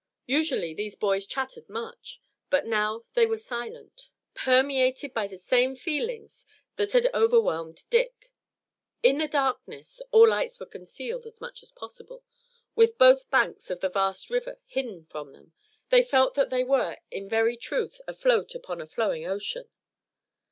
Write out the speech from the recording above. Usually these boys chattered much, but now they were silent, permeated by the same feelings that had overwhelmed Dick. In the darkness all lights were concealed as much as possible with both banks of the vast river hidden from them, they felt that they were in very truth afloat upon a flowing ocean.